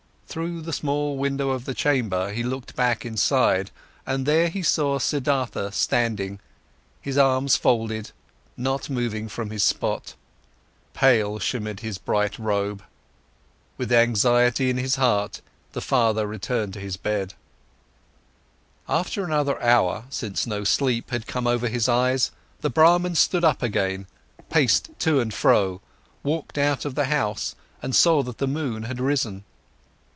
Through the small window of the chamber he looked back inside, and there he saw Siddhartha standing, his arms folded, not moving from his spot. Pale shimmered his bright robe. With anxiety in his heart, the father returned to his bed. After another hour, since no sleep had come over his eyes, the Brahman stood up again, paced to and fro, walked out of the house and saw that the moon had risen.